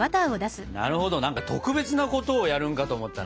なるほど何か特別なことをやるんかと思ったな。